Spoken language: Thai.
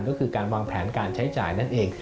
ก็คือการวางแผนการใช้จ่ายนั่นเอง